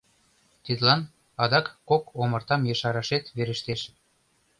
Тидлан, адак кок омартам ешарашет верештеш.